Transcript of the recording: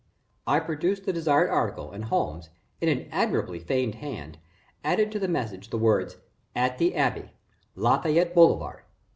I produced the desired article and Holmes, in an admirably feigned hand, added to the message the words: "at the Abbey, Lafayette Boulevard.